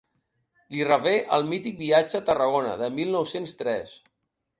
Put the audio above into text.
Li revé el mític viatge a Tarragona de mil nou-cents tres.